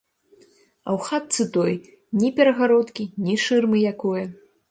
А ў хатцы той ні перагародкі, ні шырмы якое.